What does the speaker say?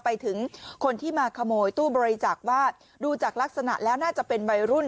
ไปถึงคนที่มาขโมยตู้บริจาคว่าดูจากลักษณะแล้วน่าจะเป็นวัยรุ่น